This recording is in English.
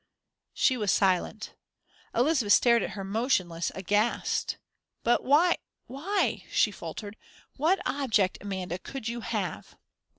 She was silent. Elizabeth still stared at her motionless, aghast. "But why why," she faltered, "what object, Amanda, could you have?"